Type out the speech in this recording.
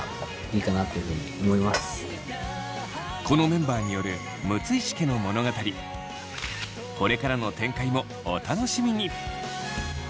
このメンバーによるこれからの展開もお楽しみに！